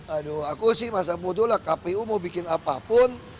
aduh aku sih masa bodoh lah kpu mau bikin apapun